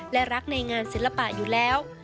และรักในงานศิลปะอยู่แล้ว